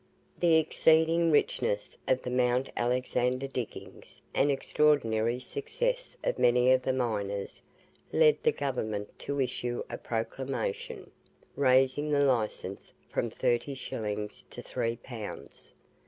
"The exceeding richness of the Mount Alexander diggings, and extraordinary success of many of the miners, led the Government to issue a proclamation, raising the licence from thirty shillings to three pounds.